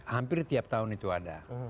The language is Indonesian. hampir tiap tahun itu ada